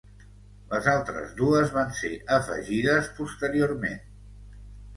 Les altres dues van ser afegides posteriorment.